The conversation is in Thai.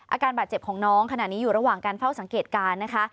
อาการบาดเจ็บของน้องขณะนี้อยู่ระหว่างการเฝ้าสังเกตการณ์นะคะ